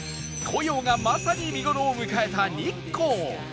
紅葉がまさに見頃を迎えた日光